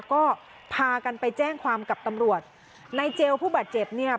ก็พากันไปแจ้งความกับตำรวจนายเจลผู้บาดเจ็บเนี่ย